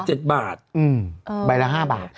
อืมใบละ๕บาท